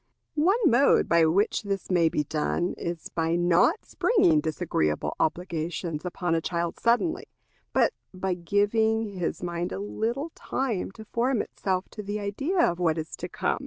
One mode by which this may be done is by not springing disagreeable obligations upon a child suddenly, but by giving his mind a little time to form itself to the idea of what is to come.